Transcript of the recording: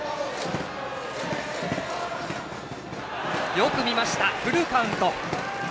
よく見ました、フルカウント。